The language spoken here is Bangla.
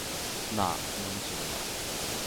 না, মনে ছিল না।